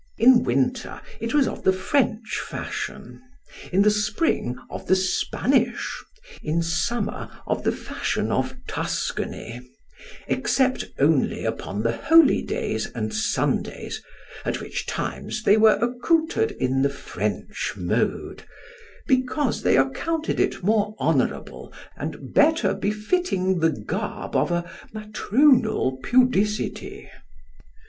In winter it was of the French fashion; in the spring, of the Spanish; in summer, of the fashion of Tuscany, except only upon the holy days and Sundays, at which times they were accoutred in the French mode, because they accounted it more honourable and better befitting the garb of a matronal pudicity.